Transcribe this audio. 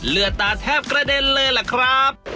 เลือดตาแทบกระเด็นเลยล่ะครับ